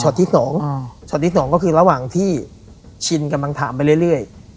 ช็อตที่สองอ่าช็อตที่สองก็คือระหว่างที่ชินกำลังถามไปเรื่อยเรื่อย